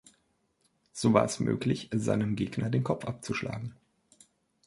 So war es möglich, seinem Gegner den Kopf abzuschlagen.